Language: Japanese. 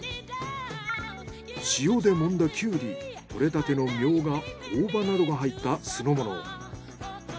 塩で揉んだキュウリ採れたてのミョウガ大葉などが入った酢の物。